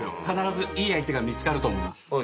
必ずいい相手が見つかると思います。